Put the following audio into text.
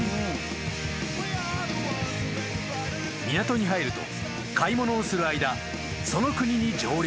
［港に入ると買い物をする間その国に上陸］